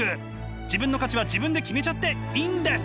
自分の価値は自分で決めちゃっていいんです！